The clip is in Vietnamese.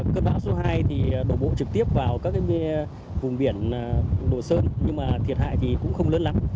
cơn bão số hai thì đổ bộ trực tiếp vào các vùng biển đồ sơn nhưng mà thiệt hại thì cũng không lớn lắm